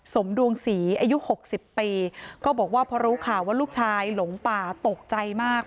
สมดวงศรีอายุหกสิบปีก็บอกว่าพอรู้ข่าวว่าลูกชายหลงป่าตกใจมาก